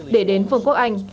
để đến vương quốc anh